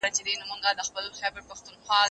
زه بايد کتابونه وليکم؟!؟!